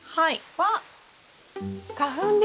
わっ花粉ですか？